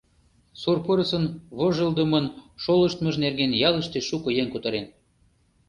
Сур пырысын вожылдымын шолыштмыж нерген ялыште шуко еҥ кутырен.